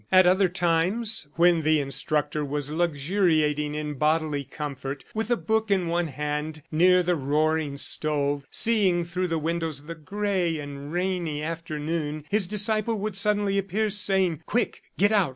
At other times, when the instructor was luxuriating in bodily comfort, with a book in one hand near the roaring stove, seeing through the windows the gray and rainy afternoon, his disciple would suddenly appear saying, "Quick, get out!